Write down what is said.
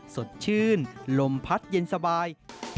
สดชื่นลมพัดเย็นสบาย